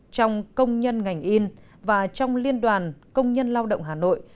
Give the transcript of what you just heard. trong công nhân ngành yên và trong liên đoàn công nhân lao động hà nội